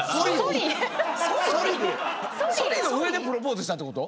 ソリの上でプロポーズしたってこと？